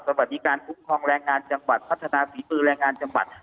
สวัสดีการคุ้มครองแรงงานจังหวัดพัฒนาฝีมือแรงงานจังหวัด